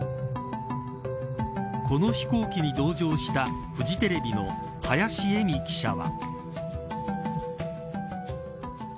この飛行機に同乗したフジテレビの林英美記者は。